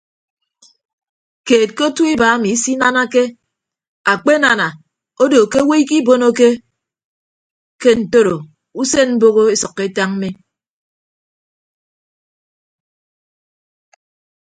Keed ke otu iba emi isinanake akpenana odo ke owo ikibonoke ke ntoro usen mboho esʌkkọ etañ mi.